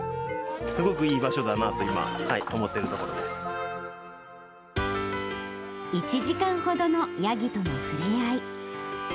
すごくいい場所だなと、今、１時間ほどのヤギとのふれあい。